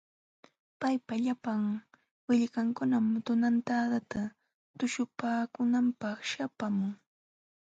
Paypa llapan willkankunam tunantadata tuśhupaakunanpaq śhapaamun.